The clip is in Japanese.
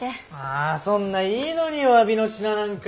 あそんないいのにおわびの品なんか。